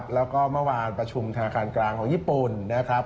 แล้วก็เมื่อวานประชุมธนาคารกลางของญี่ปุ่นนะครับ